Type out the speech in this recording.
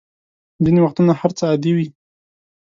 ځینې وختونه هر څه عادي وي.